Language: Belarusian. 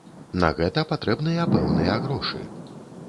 На гэта патрэбныя пэўныя грошы.